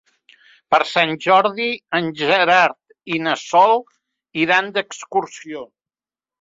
Per Sant Jordi en Gerard i na Sol iran d'excursió.